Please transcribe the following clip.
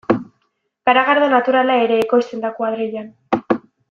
Garagardo naturala ere ekoizten da kuadrillan.